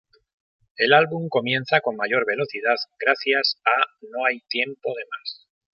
El álbum comienza con mayor velocidad, gracias a "No hay tiempo de más".